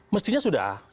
mestinya sudah ada